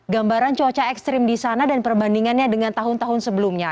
gambaran cuaca ekstrim di sana dan perbandingannya dengan tahun tahun sebelumnya